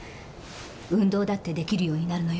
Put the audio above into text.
運動だって出来るようになるのよ。